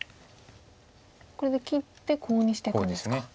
これで切ってコウにしていくんですか。